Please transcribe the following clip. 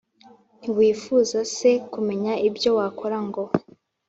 ntiwifuza se kumenya ibyo wakora ngo